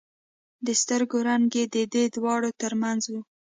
د سترګو رنگ يې د دې دواړو تر منځ و.